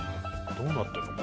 どうなってんの？